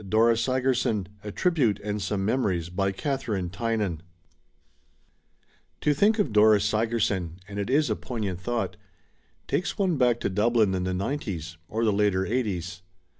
DORA SIGERSON A TRIBUTE AND SOME MEMORIES By Kathabine Tynan TO think of Dora Sigerson — and it is a poignant thought — ^takes one back to Dublin in the 'nineties, or the later 'eighties.